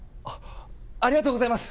ありがとうございます！